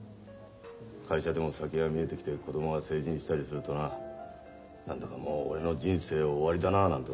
会社でも先が見えてきて子供が成人したりするとな何だかもう俺の人生終わりだななんて思うことあるもんな。